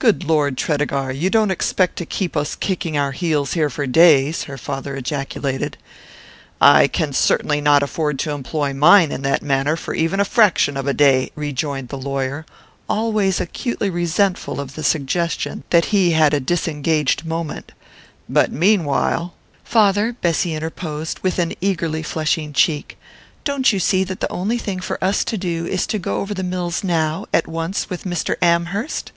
"Good Lord, Tredegar, you don't expect to keep us kicking our heels here for days?" her father ejaculated. "I can certainly not afford to employ mine in that manner for even a fraction of a day," rejoined the lawyer, always acutely resentful of the suggestion that he had a disengaged moment; "but meanwhile " "Father," Bessy interposed, with an eagerly flushing cheek, "don't you see that the only thing for us to do is to go over the mills now at once with Mr. Amherst?"